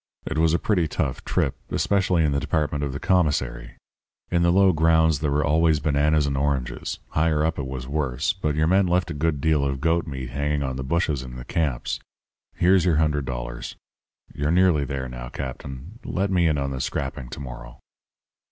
It was a pretty tough trip, especially in the department of the commissary. In the low grounds there were always bananas and oranges. Higher up it was worse; but your men left a good deal of goat meat hanging on the bushes in the camps. Here's your hundred dollars. You're nearly there now, captain. Let me in on the scrapping to morrow.'